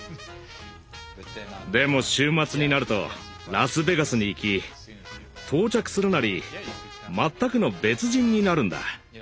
でも週末になるとラスベガスに行き到着するなり全くの別人になるんだ。